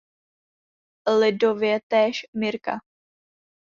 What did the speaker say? Lidově též "Mirka".